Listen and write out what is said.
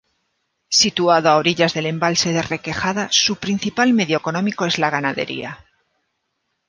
Situado a orillas del embalse de Requejada, su principal medio económico es la ganadería.